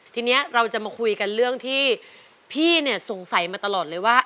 ทีนี้เราจะมาคุยกันเรื่องที่พี่เนี่ยสงสัยมาตลอดเลยว่า